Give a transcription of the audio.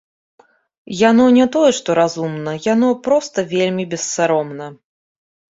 Яно не тое што разумна, яно проста вельмі бессаромна.